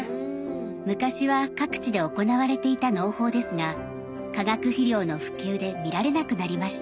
昔は各地で行われていた農法ですが化学肥料の普及で見られなくなりました。